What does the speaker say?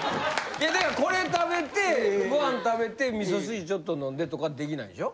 いやだからこれ食べてご飯食べてみそ汁ちょっと飲んでとかできないでしょ？